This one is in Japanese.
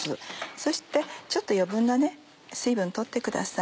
そしてちょっと余分な水分取ってください。